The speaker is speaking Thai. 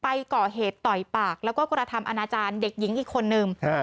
ประมาณ๓๐นาทีไปก่อเหตุต่อยปากแล้วก็กระทำอาณาจารย์เด็กหญิงอีกคนนึง